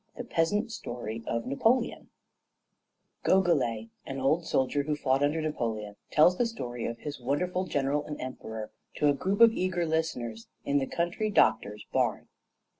] XX THE PEASANT STORY OF NAPOLEON [Goguelet, an old soldier who fought under Napoleon, tells the story of his wonderful General and Emperor to a group of eager listeners in the country doctor's barn.